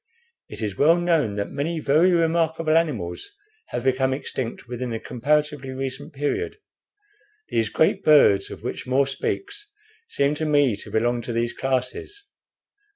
It is well known that many very remarkable animals have become extinct within a comparatively recent period. These great birds, of which More speaks, seem to me to belong to these classes.